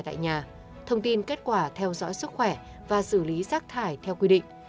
tại nhà thông tin kết quả theo dõi sức khỏe và xử lý rác thải theo quy định